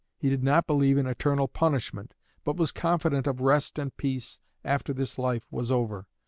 He did not believe in eternal punishment, but was confident of rest and peace after this life was over.